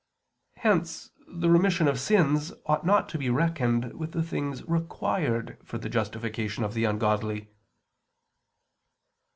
Hence the remission of sins ought not to be reckoned with the things required for the justification of the ungodly.